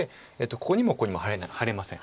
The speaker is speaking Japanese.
ここにもここにも入れません。